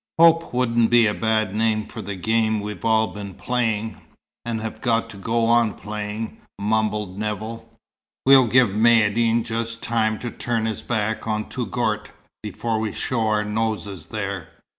"Hope wouldn't be a bad name for the game we've all been playing, and have got to go on playing," mumbled Nevill. "We'll give Maïeddine just time to turn his back on Touggourt, before we show our noses there.